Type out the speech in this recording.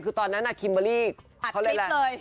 คือตอนนั้นน่ะคิมเบอร์รี่เขาเลยแหล่ะอัดคลิปเลย